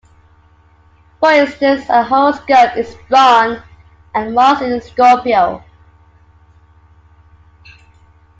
For instance, a horoscope is drawn and Mars is in Scorpio.